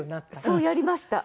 そうやりました。